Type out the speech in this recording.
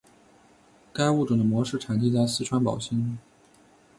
该物种的模式产地在四川宝兴。